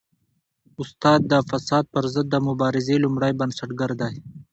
استاد د فساد پر ضد د مبارزې لومړی بنسټګر دی.